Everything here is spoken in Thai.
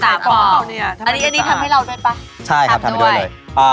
อันนี้ทำให้เราด้วยป่ะ